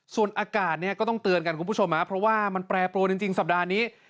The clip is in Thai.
ส่วนอากาศเนี่ยก็ต้องเตือนกันคุณผู้ชมเพราะว่ามันแปรปรวนจริงสัปดาห์นี้